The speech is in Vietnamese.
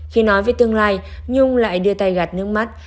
khi nói với tương lai nhung lại đưa tay gạt nước mắt